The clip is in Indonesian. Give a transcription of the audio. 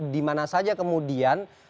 dimana saja kemudian